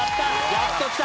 やっと来た！